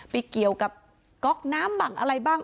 ไปเกี่ยวกับก๊อกน้ำบังอะไรบ้าง